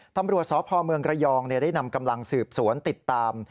ตำรวจสพเมืองระยองได้นำกำลังสืบสวนติดตาม